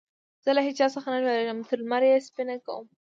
زه له هيچا څخه نه ډارېږم؛ تر لمر يې سپينه کوم.